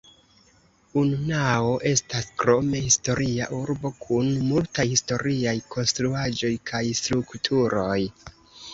Unnao estas krome historia urbo kun multaj historiaj konstruaĵoj kaj strukturoj.